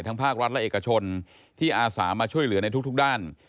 ภาครัฐและเอกชนที่อาสามาช่วยเหลือในทุกด้าน